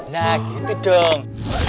nah gitu dong